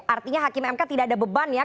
artinya hakim mk tidak ada beban ya